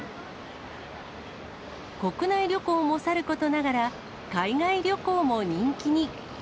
国内旅行もさることながら、海外旅行も人気に。